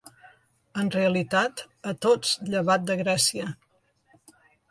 En realitat, a tots llevat de Grècia.